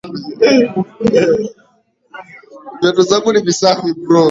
Viatu zangu ni visafi